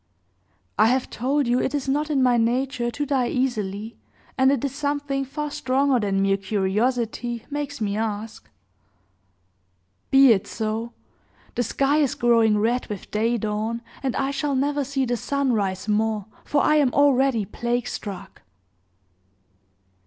"I have told you it is not in my nature to die easily, and it is something far stronger than mere curiosity makes me ask." "Be it so! The sky is growing red with day dawn, and I shall never see the sun rise more, for I am already plague struck!"